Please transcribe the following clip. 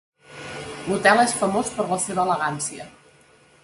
L’hotel és famós per la seva elegància.